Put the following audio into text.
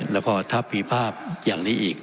แล้วก็ถ้ามีภาพอย่างนี้อีก